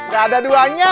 ga ada duanya